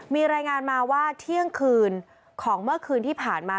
มีรายงานมาว่าเที่ยงคืนของเมื่อคืนที่ผ่านมา